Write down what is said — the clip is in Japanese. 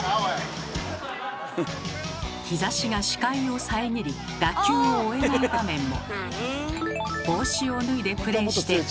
日ざしが視界を遮り打球を追えない場面も。